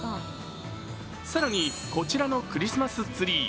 更に、こちらのクリスマスツリー。